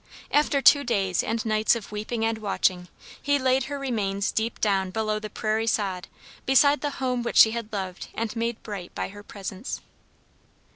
After two days and nights of weeping and watching, he laid her remains deep down below the prairie sod, beside the home which she had loved and made bright by her presence.